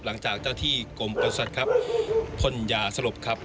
หลังจากเจ้าที่กรมประสัตว์ครับพ่นยาสลบครับ